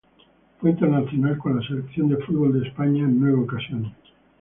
Fue internacional con la selección de fútbol de España en nueve ocasiones.